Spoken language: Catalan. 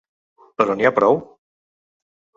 Però n’hi ha prou?